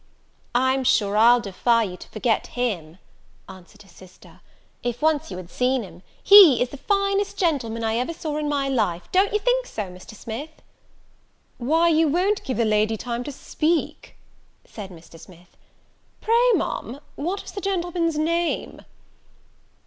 "I'm sure, I'll defy you to forget him," answered his sister, "if once you had seen him: he is the finest gentleman I ever saw in my life, don't you think so, Mr. Smith?" "Why, you won't give the lady time to speak," said Mr. Smith. "Pray, Ma'am, what is the gentleman's name?"